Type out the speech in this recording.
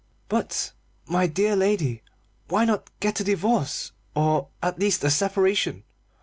"But, my dear lady, why not get a divorce or, at least, a separation?